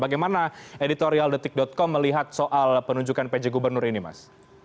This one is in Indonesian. bagaimana editorial detik com melihat soal penunjukan pj gubernur ini mas